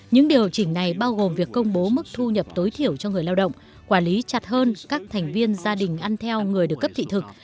những điều chỉnh này bao gồm việc công bố mức thu nhập tối thiểu cho người lao động quản lý chặt hơn các thành viên gia đình ăn theo người được cấp thị thực